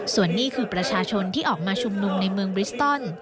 ส่วนนี้คือประชาชนที่ออกมาชุมนุมในเมืองบริสตอน